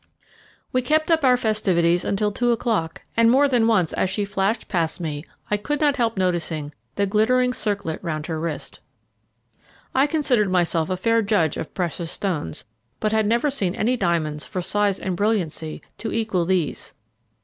We kept up our festivities until two o'clock, and more than once, as she flashed past me, I could not help noticing the glittering circlet round her wrist. I considered myself a fair judge of precious stones, but had never seen any diamonds for size and brilliancy to equal these.